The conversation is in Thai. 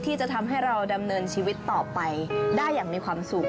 ที่จะทำให้เราดำเนินชีวิตต่อไปได้อย่างมีความสุข